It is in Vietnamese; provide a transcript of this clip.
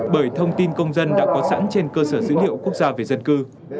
bởi thông tin công dân đã có sẵn trên cơ sở dữ liệu quốc gia về dân cư